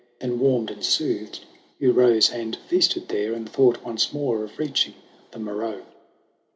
Then, warmed and soothed, Hugh rose and feasted there, And thought once more of reaching the Moreau.